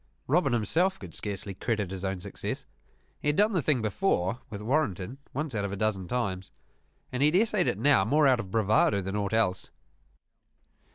Robin himself could scarcely credit his own success. He had done the thing before, with Warrenton, once out of a dozen times: and he had essayed it now more out of bravado than aught else.